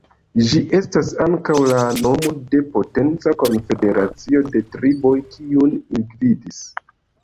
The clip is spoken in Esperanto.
Ĝi estas ankaŭ la nomo de potenca konfederacio de triboj, kiun ili gvidis.